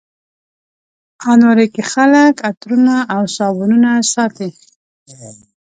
الماري کې خلک عطرونه او صابونونه ساتي